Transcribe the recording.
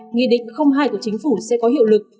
nghị định hai của chính phủ sẽ có hiệu lực